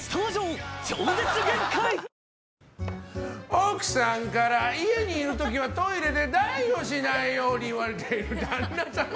奥さんから家にいる時はトイレで大をしないように言われている旦那さん。